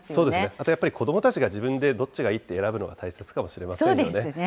あとやっぱり子どもたちがどっちがいいって選ぶのが大切かもしれませんよね。